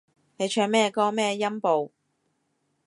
你唱咩歌咩音部